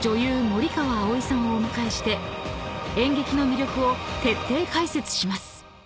森川葵さんをお迎えして演劇の魅力を徹底解説します］